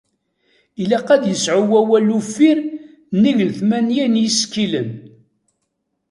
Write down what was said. Ilaq ad isεu wawal uffir nnig n tmanya n yisekkilen.